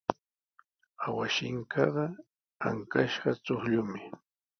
Awashinkaqa ankashqa chuqllumi.